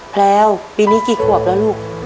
แพลวปีนี้กี่ขวบแล้วลูก